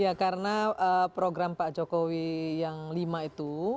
ya karena program pak jokowi yang lima itu